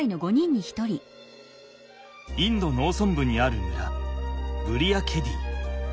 インド農村部にある村ブリヤ・ケディ。